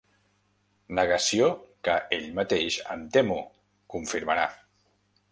Negació que ell mateix, em temo, confirmarà.